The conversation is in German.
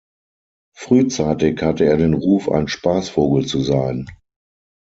Frühzeitig hatte er den Ruf, ein Spaßvogel zu sein.